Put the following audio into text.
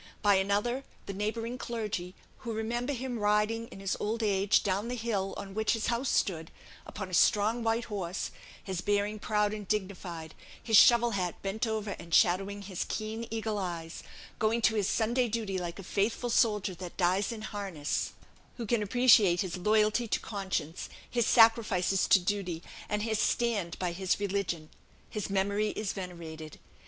By another, the neighbouring clergy, who remember him riding, in his old age, down the hill on which his house stood, upon his strong white horse his bearing proud and dignified, his shovel hat bent over and shadowing his keen eagle eyes going to his Sunday duty like a faithful soldier that dies in harness who can appreciate his loyalty to conscience, his sacrifices to duty, and his stand by his religion his memory is venerated.